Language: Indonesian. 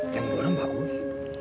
yang duluan bagus